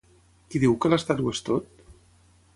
Qui diu que l'Estat ho és tot?